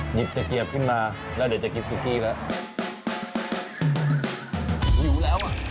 หยิบตะเกียบขึ้นมาแล้วเดี๋ยวจะกินซุกี้แล้ว